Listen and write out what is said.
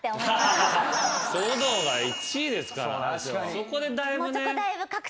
そこでだいぶね。